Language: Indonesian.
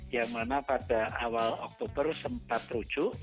yang mana pada awal oktober sempat rujuk